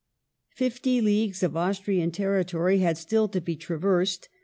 Fifty leagues of Austrian territory had still to be traversed.